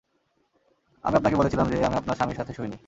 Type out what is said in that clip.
আমি আপনাকে বলেছিলাম যে, আমি আপনার স্বামীর সাথে শুইনি।